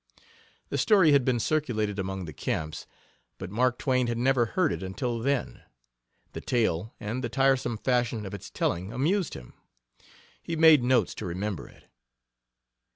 The story had been circulated among the camps, but Mark Twain had never heard it until then. The tale and the tiresome fashion of its telling amused him. He made notes to remember it.